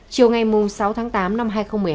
chiều ngày sáu tháng tám năm hai nghìn một mươi hai